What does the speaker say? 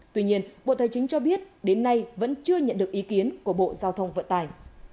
tuy nhiên bộ tài chính cho biết đến nay vẫn chưa nhận được ý kiến của bộ giao thông vận tài